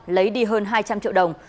lấy đi hơn hai trăm linh triệu đồng